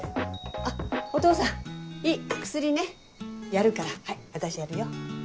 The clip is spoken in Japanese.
あっお父さんいい薬ねやるからはい私やるよ。